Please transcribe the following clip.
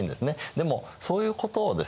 でもそういうことをですね